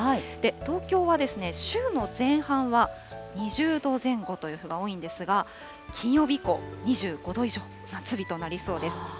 東京は週の前半は２０度前後という日が多いんですが、金曜日以降、２５度以上の夏日となりそうです。